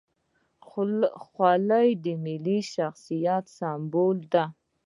خولۍ د ملي شخصیت یو سمبول دی.